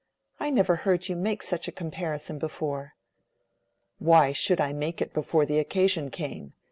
"I never heard you make such a comparison before." "Why should I make it before the occasion came?